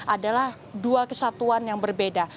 adalah dua kesatuan yang berbeda